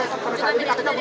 biasanya terpaksa ditanya